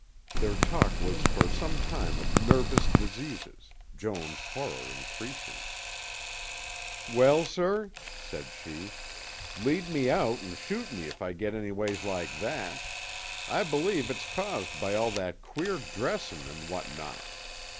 Their talk was for some time of nervous diseases, Joan's horror increasing. "Well, sir," said she, "lead me out an' shoot me if I get anyways like that! I believe it's caused by all that queer dressin' an' what not.